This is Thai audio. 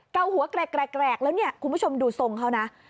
เก่าหัวแกรกแล้วเนี่ยคุณผู้ชมดูทรงเขานะ